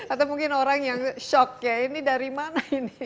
atau mungkin orang yang shock ya ini dari mana ini